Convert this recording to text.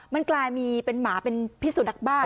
มันกลายมีเป็นหมาเป็นพิสุนักบ้า